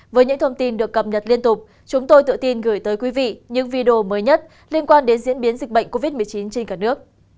với những thông tin được cập nhật liên tục chúng tôi tự tin gửi tới quý vị những video mới nhất liên quan đến diễn biến dịch bệnh covid một mươi chín trên cả nước